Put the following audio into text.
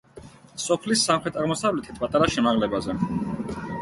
სოფლის სამხრეთ-აღმოსავლეთით, პატარა შემაღლებაზე.